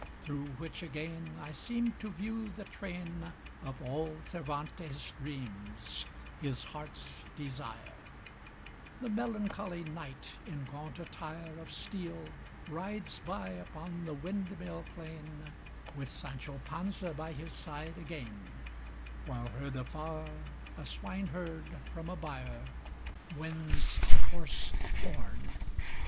Through which again I seem to view the train Of all Cervantes' dreams, his heart's desire: The melancholy Knight, in gaunt attire Of steel rides by upon the windmill plain With Sancho Panza by his side again, While, heard afar, a swineherd from a byre Winds a hoarse horn.